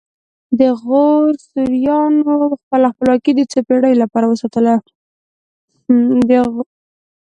د غور سوریانو خپله خپلواکي د څو پیړیو لپاره وساتله